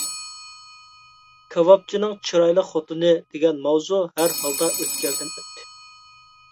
«كاۋاپچىنىڭ چىرايلىق خوتۇنى» دېگەن ماۋزۇ ھەر ھالدا ئۆتكەلدىن ئۆتتى.